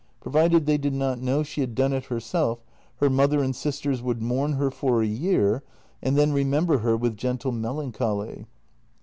Provided they did not know she had done it herself, her mother and sisters would mourn her for a year and then remember her with gentle melancholy.